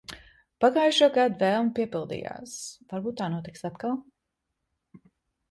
Pagājušogad vēlme piepildījās. Varbūt tā notiks atkal.